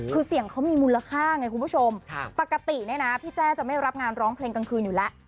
คือเสียงเขามีมูลค่าไงคุณผู้ชมปกติเนี่ยนะพี่แจ้จะไม่รับงานร้องเพลงกลางคืนอยู่แล้ว